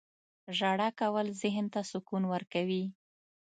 • ژړا کول ذهن ته سکون ورکوي.